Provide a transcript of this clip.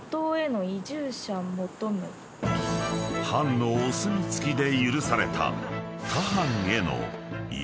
［藩のお墨付きで許された］